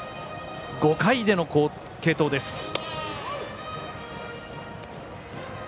５回での継投です。